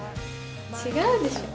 違うでしょ。